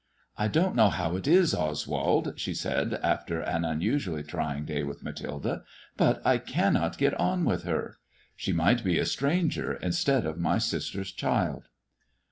" I don't know how it is, Oswald," she said, after an un usually trying day with Mathilde, " but I cannot get on with her. She might be a stranger instead of my sister's child."